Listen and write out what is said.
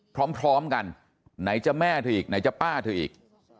พร้อมกันไหนจะแม่เธออีกไหนจะป้าเธออีก